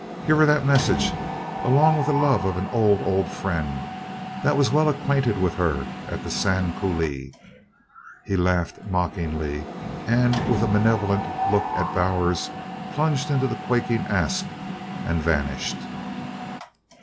Give her that message, along with the love of an old, old friend what was well acquainted with her at the Sand Coulee!" He laughed mockingly, and with a malevolent look at Bowers, plunged into the quaking asp and vanished.